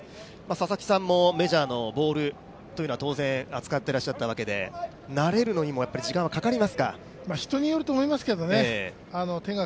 佐々木さんもメジャーのボールというのは当然扱っていらっしゃったわけで慣れるのにも時間はかかりますか。